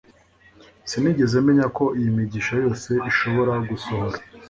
sinigeze menya ko iyi migisha yose ishobora gusohora